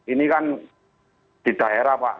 ini kan di daerah pak